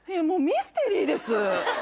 もうミステリーです！